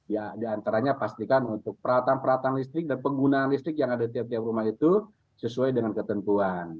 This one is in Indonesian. ya diantaranya pastikan untuk peralatan peralatan listrik dan penggunaan listrik yang ada tiap tiap rumah itu sesuai dengan ketentuan